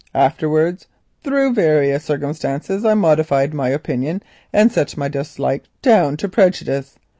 Afterwards, through various circumstances, I modified my opinion and set my dislike down to prejudice.